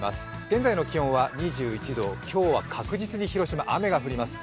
現在の気温は２１度、今日は確実に広島、雨が降ります。